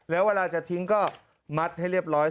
แล้วเวลาจะทิ้งก็มัดให้เรียบร้อย